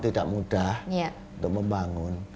tidak mudah untuk membangun